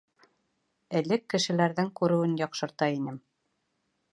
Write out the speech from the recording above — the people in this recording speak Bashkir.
— Элек кешеләрҙең күреүен яҡшырта инем.